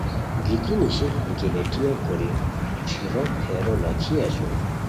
گیتی نیشی گیلیٹیہ کوری ݯھیر پھیرو لاکھی اسور